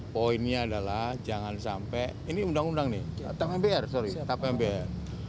poinnya adalah jangan sampai ini undang undang nih tap mpr sorry tap mpr